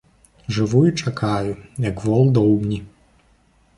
Жыву і чакаю, як вол доўбні.